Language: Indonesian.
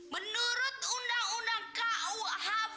menurut undang undang kuhb